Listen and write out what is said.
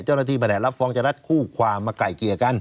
เจ้าหน้าที่แผนกรรมรับฟ้องจะนัดคู่ความมาไกล่เกลี่ยกัน